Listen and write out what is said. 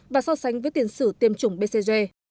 và so sánh với tiền sử tiêm chủng bcg